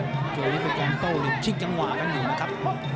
จริงเป็นแกนโต้นิดชิคจังหวะกันหนึ่งนะครับ